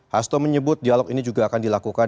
hasto menyebut dialog ini juga akan dilakukan